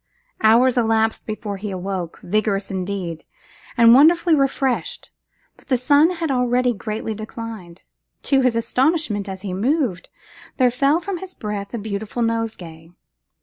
Hours elapsed before he awoke, vigorous indeed, and wonderfully refreshed; but the sun had already greatly declined. To his astonishment, as he moved, there fell from his breast a beautiful nosegay.